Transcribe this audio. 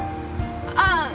ああ。